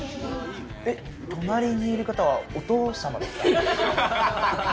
隣にいる方はお父様ですか？